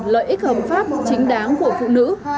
lợi ích hợp pháp chính đáng của phụ nữ